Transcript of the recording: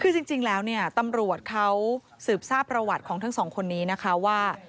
คือจริงแล้วเนี่ยตำรวจเขาสืบทราบประวัติของทั้งสองคนนี้นะคะว่า